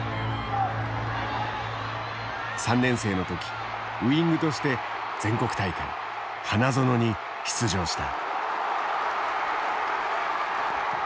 ３年生の時ウイングとして全国大会花園に出場した。